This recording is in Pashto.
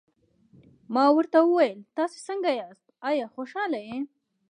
ما ورته وویل: تاسي څنګه یاست، آیا خوشحاله یې؟